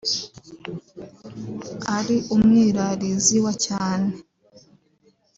ari umwirarizi wa cyane